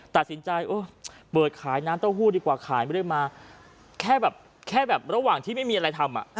ตัดสินใจเปิดขายน้ำเต้าหู้ดีกว่าขายไม่ได้มาแค่แบบแค่แบบระหว่างที่ไม่มีอะไรทำ